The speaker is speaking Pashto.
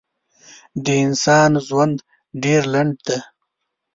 د انسان ژوند ډېر لنډ دی.